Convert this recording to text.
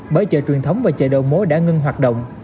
bởi chợ truyền thống và chợ đầu mối đã ngưng hoạt động